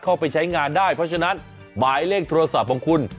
เข้าไปใช้งานได้เพราะฉะนั้นหมายเลขโทรศัพท์ของคุณ